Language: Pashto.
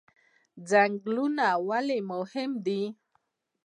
ځنګلونه ولې مهم دي؟